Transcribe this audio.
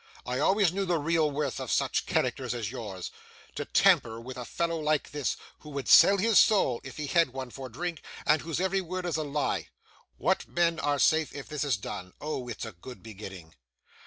I always knew the real worth of such characters as yours! To tamper with a fellow like this, who would sell his soul (if he had one) for drink, and whose every word is a lie. What men are safe if this is done? Oh, it's a good beginning!